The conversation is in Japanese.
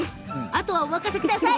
あとはお任せください。